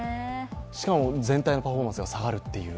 しかも全体のパフォーマンスが下がるという。